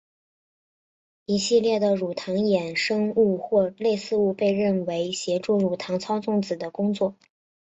一系列的乳糖衍生物或类似物被认为协助乳糖操纵子的工作。